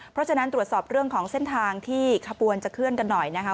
เพราะฉะนั้นตรวจสอบเรื่องของเส้นทางที่ขบวนจะเคลื่อนกันหน่อยนะคะ